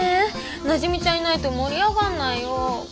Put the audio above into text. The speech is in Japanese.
なじみちゃんいないと盛り上がんないよ。